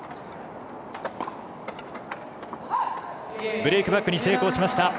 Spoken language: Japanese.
ブレークバックに成功しました。